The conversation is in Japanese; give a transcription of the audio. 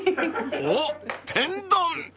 ［おっ天丼！